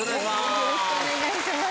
よろしくお願いします。